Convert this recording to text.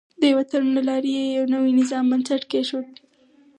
د یوه تړون له لارې یې د نوي نظام بنسټ کېښود.